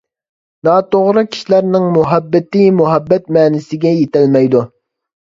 ناتوغرا كىشىلەرنىڭ مۇھەببىتى مۇھەببەت مەنىسىگە يېتەلمەيدۇ.